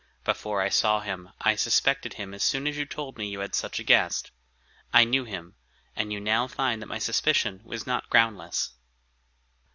Before I saw him, I suspected him as soon as you told me you had such a guest. I knew him, and you now find that my suspicion was not groundless."